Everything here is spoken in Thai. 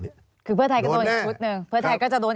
เพื่อไทยก็โดนอีกชุดหนึ่ง